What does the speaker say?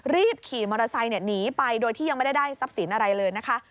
รีบขี่มอเตอร์ไซค์หนีไปโดยที่ยังไม่ได้ได้ทรัพย์สินอะไรเลยนะคะ